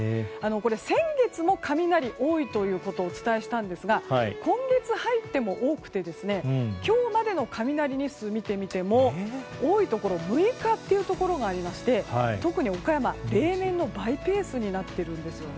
先月も雷が多いということをお伝えしたんですが今月入っても多くて今日までの雷日数を見てみても多いところ６日というところがありまして特に岡山、例年の倍ペースになっているんですね。